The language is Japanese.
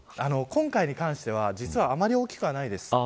今回に関しては実はあまり大きくはないです。